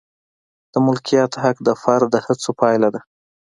د مالکیت حق د فرد د هڅو پایله ده.